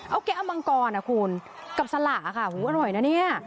เอาแกะเอามังกรนะคุณกับสละค่ะหูอร่อยนะเนี่ย